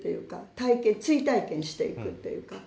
体験追体験していくっていうか。